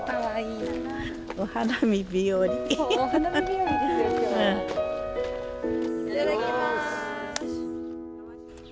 いただきます。